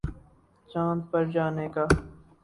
چاند پر جانے کے